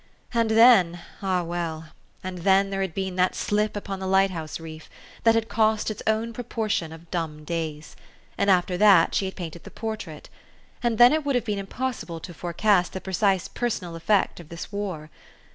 And then ah well ! and then there had been that slip upon the light house reef ; that had cost its own proportion of dumb days. And after that she had painted the portrait. And then it would have been impossible to forecast the precise personal effect of this war.